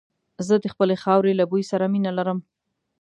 زه د خپلې خاورې له بوی سره مينه لرم.